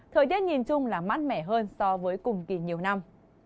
thời tiết nhìn chung là mát mẻ hơn so với cùng kỳ nhiều năm